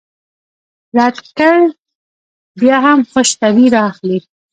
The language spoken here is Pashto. له تکل بیا همدا خوش طبعي رااخلي.